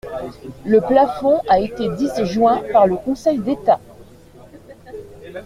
Le plafond a été disjoint par le Conseil d’État.